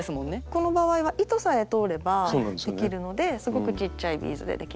この場合は糸さえ通ればできるのですごくちっちゃいビーズでできます。